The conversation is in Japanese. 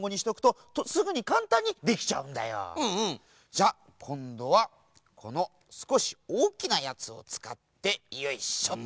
じゃこんどはこのすこしおおきなやつをつかってよいしょと。